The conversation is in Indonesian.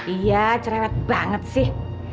iya cerewet banget sih